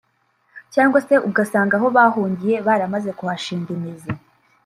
cyangwa se ugasanga aho bahungiye baramaze kuhashinga imizi